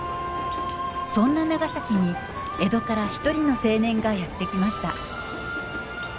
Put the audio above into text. そんな長崎に江戸から一人の青年がやって来ました。